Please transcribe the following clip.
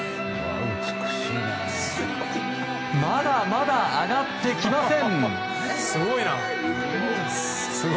まだまだ上がってきません。